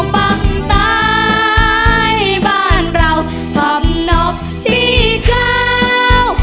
ปักตายบ้านเราพร้อมนกสีขาว